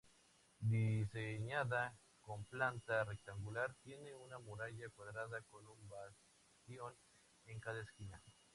Diseñada con planta rectangular, tiene una muralla cuadrada con un bastión en cada esquina.